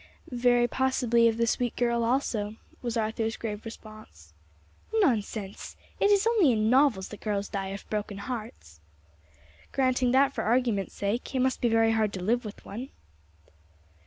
"Very possibly of the sweet girl also," was Arthur's grave response. "Nonsense! it is only in novels that girls die of broken hearts." "Granting that for argument's sake, it must be very hard to live with one."